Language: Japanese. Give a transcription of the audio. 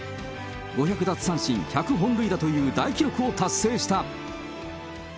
５００奪三振１００本塁打という大記録を達成した。